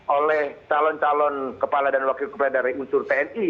oleh calon calon kepala dan wakil kepala dari unsur tni